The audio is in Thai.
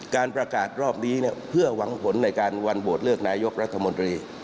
การประกาศรอบนี้เพื่อหวังผลในการวันโหวตเลือกนายกรัฐมนตรี